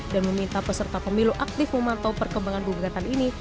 dan meminta peserta pemilu aktif memantau perkembangan gugatan ini